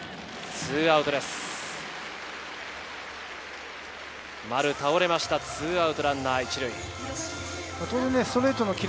２アウトランナー１塁。